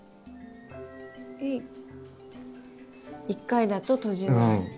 １回だと閉じない。